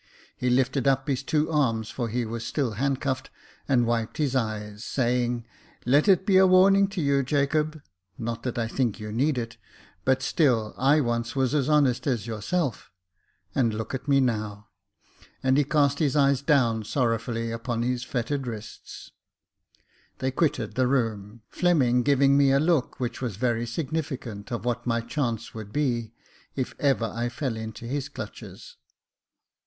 He lifted up his two arms, for he was still handcuffed, and wiped his eyes, say ing, " Let it be a warning to you, Jacob — not that I think you need it ; but still I once was honest as yourself — and look at me now." And he cast his eyes down sorrowfully upon his fettered wrists. They quitted the room, Fleming giving me a look which was very significant of what my chance would be, if ever I fell into his clutches.